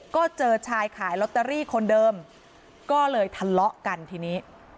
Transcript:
ก็เจอชายขายลอตเตอรี่คนเดิมก็เลยทะเลาะกันทีนี้